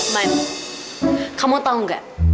man kamu tahu nggak